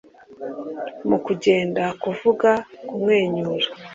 mu kugenda, kuvuga, kumwenyura,